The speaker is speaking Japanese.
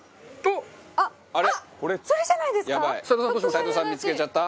齊藤さん、見付けちゃった？